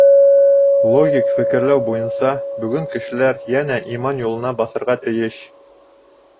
Логик фекерләү буйынса, бөгөн кешеләр йәнә иман юлына баҫырға тейеш.